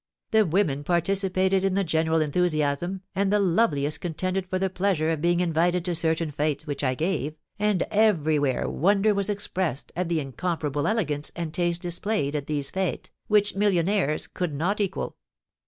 The women participated in the general enthusiasm, and the loveliest contended for the pleasure of being invited to certain fêtes which I gave, and everywhere wonder was expressed at the incomparable elegance and taste displayed at these fêtes, which millionaires could not equal.